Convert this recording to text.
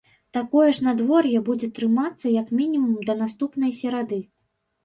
Такое ж надвор'е будзе трымацца як мінімум да наступнай серады.